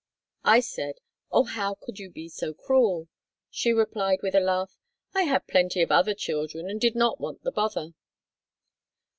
I said, "Oh, how could you be so cruel?" She replied with a laugh, "I had plenty of other children and did not want the bother!"